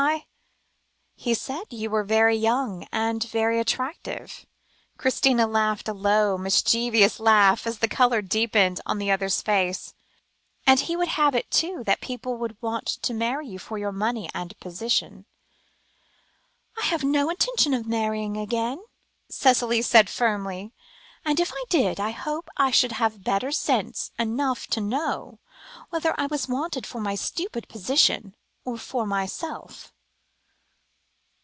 I " "He said you were very young, and very attractive" Christina laughed, a low, mischievous laugh, as the colour deepened on the other's face "and he would have it, too, that people would want to marry you for your money and position." "I have no intention of marrying again," Cicely said firmly, "and, if I did, I hope I should have sense enough to know whether I was wanted for my stupid position, or for myself."